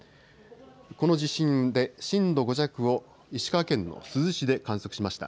この地震で震度５弱を石川県の珠洲市で観測しました。